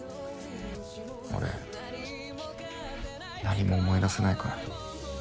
俺何も思い出せないから。